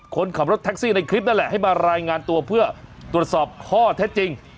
คนขับรถแท็กซี่ในคลิปนั่นแหละให้มารายงานตัวเพื่อตรวจสอบข้อเท็จจริง